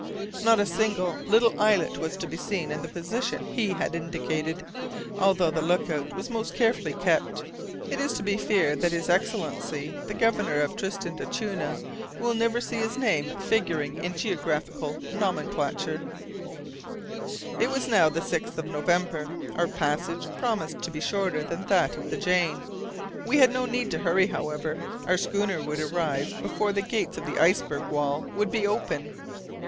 Not a single little islet was to be seen in the position he had indicated, although the look out was most carefully kept. It is to be feared that his Excellency the Governor of Tristan d'Acunha will never see his name figuring in geographical nomenclature. [Illustration: Taking in sail under difficulties.] It was now the 6th of November. Our passage promised to be shorter than that of the Jane. We had no need to hurry, however. Our schooner would arrive before the gates of the iceberg wall would be open.